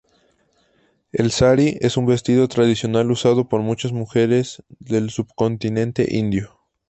El "sari" es un vestido tradicional usado por muchas mujeres del subcontinente indio.